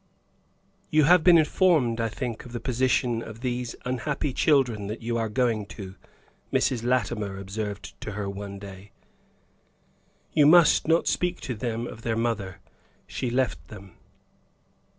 "You have been informed, I think, of the position of these unhappy children that you are going to," Mrs. Latimer observed to her one day. "You must not speak to them of their mother. She left them."